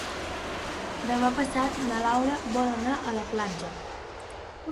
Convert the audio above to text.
Demà passat na Laura vol anar a la platja.